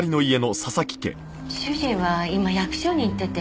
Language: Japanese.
主人は今役所に行ってて。